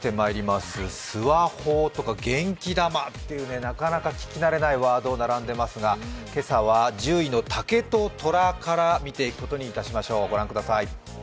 すわほーとか元気玉というなかなか聞き慣れないワードが並んでますが、今朝は１０位の竹とトラから見ていくことにいたしましょう。